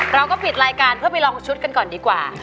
เราก็ปิดรายการเพื่อไปลองชุดกันก่อนดีกว่า